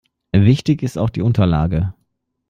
Wichtig ist auch die Unterlage.